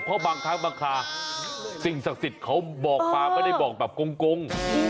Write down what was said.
เพราะบางครั้งบางคราสิ่งศักดิ์สิทธิ์เขาบอกมาไม่ได้บอกแบบกง